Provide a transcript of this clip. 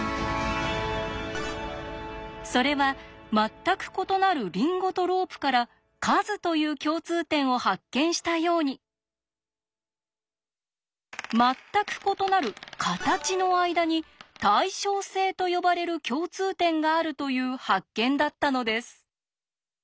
それは全く異なるリンゴとロープから「数」という共通点を発見したように全く異なる「形」の間に「対称性」と呼ばれる共通点があるという発見だったのです。